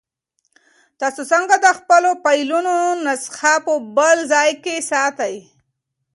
تاسو څنګه د خپلو فایلونو نسخه په بل ځای کې ساتئ؟